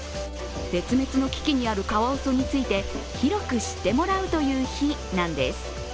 絶滅の危機にあるカワウソについて広く知ってもらうという日なんです。